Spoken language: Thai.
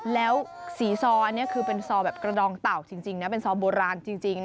แล้วสีซออันนี้คือเป็นซอแบบกระดองเต่าจริงนะเป็นซอโบราณจริง